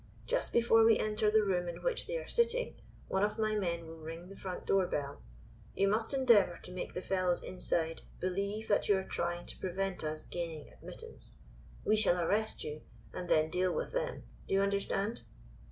Just before we enter the room in which they are sitting, one of my men will ring the front door bell. You must endeavor to make the fellows inside believe that you are trying to prevent us gaining admittance. We shall arrest you, and then deal with them. Do you understand?"